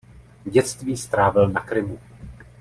Dětství strávil na Krymu.